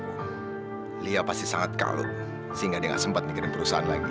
lia pasti sangat kalut sehingga dia gak sempat mikirin perusahaan lagi